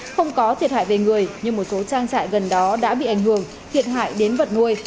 không có thiệt hại về người nhưng một số trang trại gần đó đã bị ảnh hưởng thiệt hại đến vật nuôi